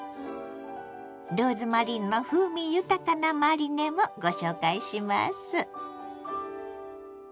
ローズマリーの風味豊かなマリネもご紹介します。